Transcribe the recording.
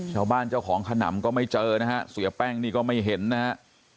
เจ้าของขนำก็ไม่เจอนะฮะเสียแป้งนี่ก็ไม่เห็นนะฮะ